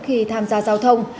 khi tham gia giao thông